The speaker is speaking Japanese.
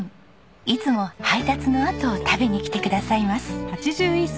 いつも配達のあと食べに来てくださいます。